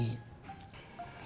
bu puputnya kan lagi sakit